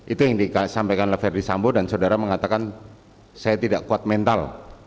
itu yang disampaikan oleh ferdis sambo dan saudara mengatakan saya tidak kuat mental